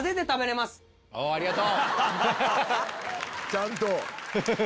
ちゃんと。